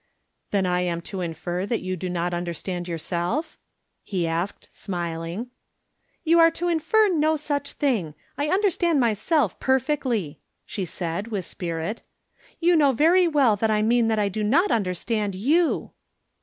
" Then I am to infer that you do not under stand yourself? " he asked, smiUng. " You are to infer no such thing ! I under stand mj'self perfectly," she said, with spirit. " You know very well that I mean that I do not understand you